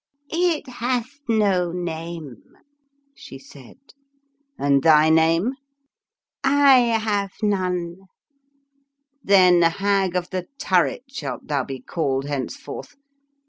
*• It hath no name," she said. " And thy name? "" I have none." " Then, Hag of the Turret shalt thou be called henceforth.